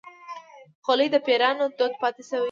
خولۍ د پيرانو دود پاتې شوی.